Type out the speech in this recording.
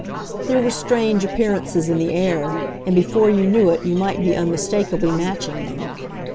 There were strange appearances in the air, and before you knew it you might be unmistakably matching them.